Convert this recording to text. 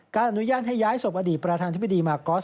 อนุญาตให้ย้ายศพอดีตประธานธิบดีมากอส